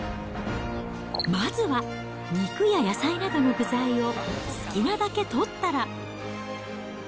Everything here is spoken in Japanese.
まずは、肉や野菜などの具材を好きなだけ取ったら。